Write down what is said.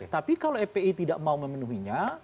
tapi kalau fpi tidak mau memenuhinya